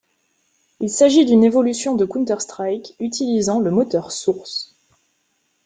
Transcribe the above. Il s'agit d'une évolution de Counter-Strike utilisant le moteur Source.